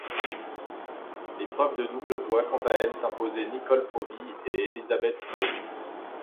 L'épreuve de double voit quant à elle s'imposer Nicole Provis et Elizabeth Smylie.